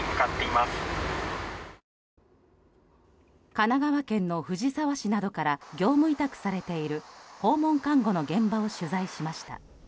神奈川県の藤沢市などから業務委託されている訪問看護の現場を取材しました。